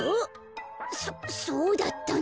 そそうだったんだ。